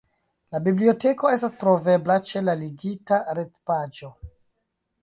La biblioteko estas trovebla ĉe la ligita retpaĝo.